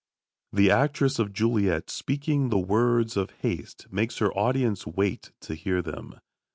The actress of Juliet, speaking the words of haste, makes her audience wait to hear them.